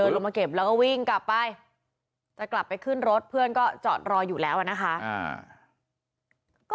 ล่ะล่ะล่ะล่ะล่ะล่ะล่ะล่ะล่ะล่ะล่ะล่ะล่ะล่ะล่ะล่ะล่ะล่ะ